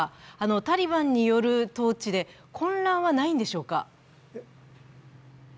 タリバンによる統治で混乱はないんでしょうか？